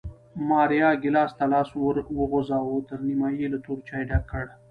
ماریا ګېلاس ته لاس ور وغځاوه، تر نیمایي یې له تور چای ډک کړ